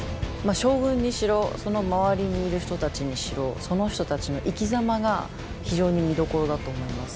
将軍にしろその周りにいる人たちにしろその人たちの生きざまが非常に見どころだと思います。